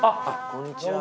こんにちは。